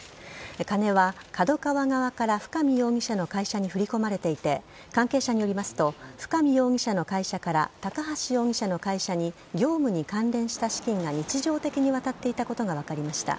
金はＫＡＤＯＫＡＷＡ側から深見容疑者の会社に振り込まれていて関係者によりますと深見容疑者の会社から高橋容疑者の会社に業務に関連した資金が日常的に渡っていたことが分かりました。